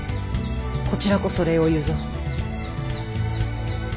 こちらこそ礼を言うぞ。